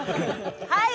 はい！